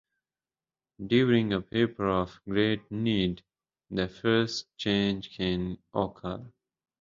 During a period of great need, the first change can occur.